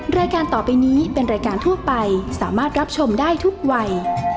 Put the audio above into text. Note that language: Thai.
รายการต่อไปนี้เป็นรายการทั่วไปสามารถรับชมได้ทุกวัย